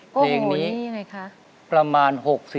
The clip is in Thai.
เพลงนี้ประมาณ๖๐ประปีนะ